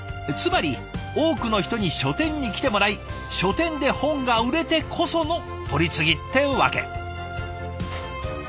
つまり多くの人に書店に来てもらい書店で本が売れてこその取り次ぎってわけ。